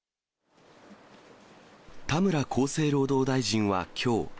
田村厚生労働大臣はきょう。